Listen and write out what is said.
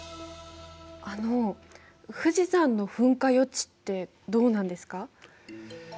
あの富士山の噴火予知ってどうなんですか？